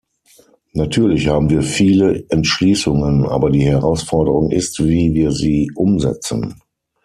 Natürlich haben wir viele Entschließungen, aber die Herausforderung ist, wie wir sie umsetzen.